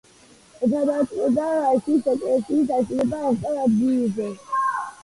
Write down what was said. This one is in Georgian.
გადაწყდა ქვის ეკლესია აეშენებინათ ახალ ადგილზე.